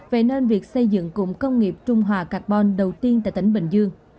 vậy nên việc xây dựng cụm công nghiệp trung hòa carbon đầu tiên tại tỉnh bình dương